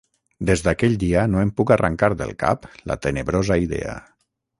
Des d'aquell dia no em puc arrancar del cap la tenebrosa idea